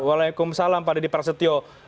waalaikumsalam pak dedy prasetyo